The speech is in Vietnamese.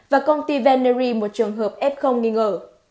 và công ty venury một trường hợp f nghi ngờ